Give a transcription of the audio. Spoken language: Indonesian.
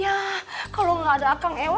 ya kalo gak ada akang ewa